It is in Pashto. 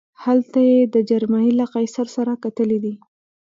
هلته یې د جرمني له قیصر سره کتلي دي.